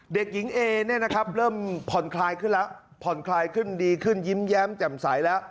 เด็กหญิงเอเริ่มผ่อนคลายขึ้นแล้วผ่อนคลายขึ้นดีขึ้นยิ้มแย้มจำใสแล้ว